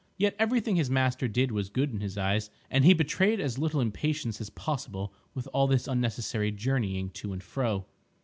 Yet everything his master did was good in his eyes, and he betrayed as little impatience as possible with all this unnecessary journeying to and fro.